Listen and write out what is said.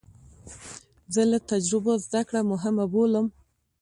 زه له تجربو زده کړه مهمه بولم.